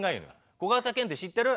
小型犬って知ってる？